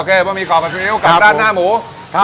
โอเคบะหมี่ก่อผัดซิลกล่าวด้านหน้าหมูครับผม